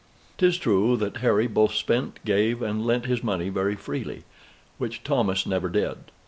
'Tis true that Harry both spent, gave, and lent his money very freely, which Thomas never did.